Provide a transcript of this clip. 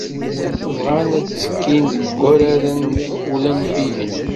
Bɣan ad ttekkin deg Uraren Ulampiyen.